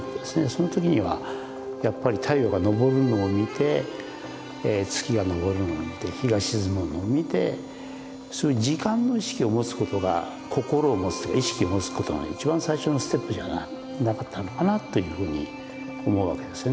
その時にはやっぱり太陽が昇るのを見て月が昇るのを見て日が沈むのを見てそういう時間の意識を持つことが心を持つというか意識を持つことの一番最初のステップじゃなかったのかなというふうに思うわけですよね。